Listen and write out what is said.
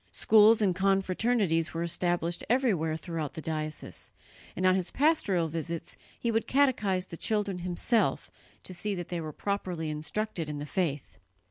Schools and confraternities were established everywhere throughout the diocese, and on his pastoral visits he would catechize the children himself to see that they were properly instructed in the faith.